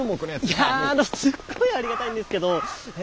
いやあのすっごいありがたいんですけどえ